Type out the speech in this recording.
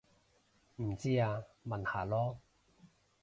唔知啊問下囉